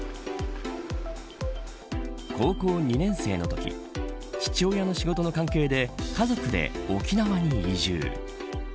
高校２年生のとき父親の仕事の関係で家族で沖縄に移住。